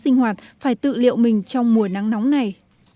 sinh hoạt phải tự liệu mình trong mùa nắng nóng này